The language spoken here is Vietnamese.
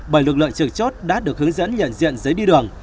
bởi lực lượng trực chốt đã được hướng dẫn nhận diện giấy đi đường